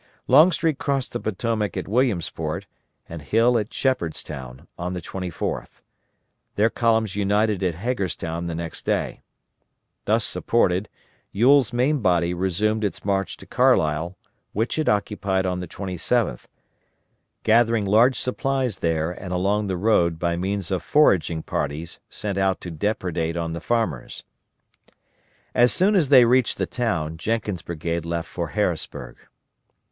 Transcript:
Longstreet crossed the Potomac at Williamsport, and Hill at Shepherdstown, on the 24th. Their columns united at Hagerstown the next day. Thus supported, Ewell's main body resumed its march to Carlisle, which it occupied on the 27th; gathering large supplies there and along the road by means of foraging parties sent out to depredate on the farmers. As soon as they reached the town, Jenkins' brigade left for Harrisburg.